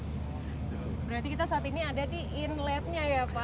berarti kita saat ini ada di inletnya ya pak